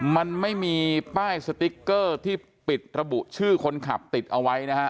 มันไม่มีป้ายสติ๊กเกอร์ที่ปิดระบุชื่อคนขับติดเอาไว้นะฮะ